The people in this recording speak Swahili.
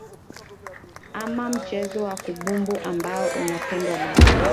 ama mchezo wa kabumbu ambao unapendwa na